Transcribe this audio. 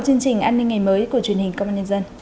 chương trình an ninh ngày mới của truyền hình công an nhân dân